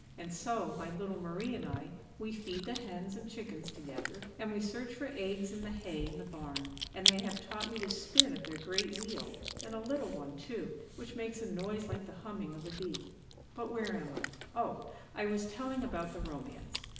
And so, my little Marie and I, we feed the hens and chickens together, and we search for eggs in the hay in the barn; and they have taught me to spin at their great wheel, and a little one, too, which makes a noise like the humming of a bee. But where am I? Oh, I was telling about the romance.